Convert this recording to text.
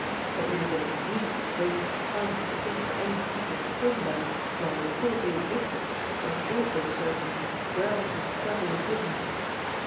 It would have been a useless waste of time to seek for any secret spring that, while it probably existed, was also certainly well and cleverly hidden.